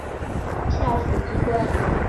内政部民政司是中华民国内政部下属机关。